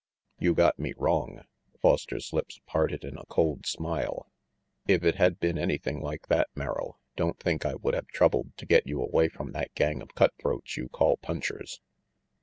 "You got me wrong." Foster's lips parted in a cold smile. "If it had been anything like that, Merrill, don't think I would have troubled to get you away from that gang of cut throats you call punchers."